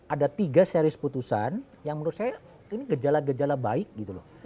ada tiga series putusan yang menurut saya ini gejala gejala baik gitu loh